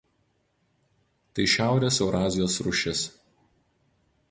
Tai Šiaurės Eurazijos rūšis.